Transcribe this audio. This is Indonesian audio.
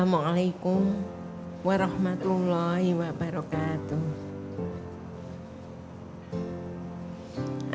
wassalamualaikum warahmatullahi wabarakatuh